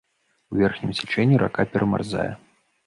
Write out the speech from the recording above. У верхнім цячэнні рака перамярзае.